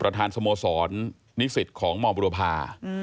สโมสรนิสิตของมบุรพา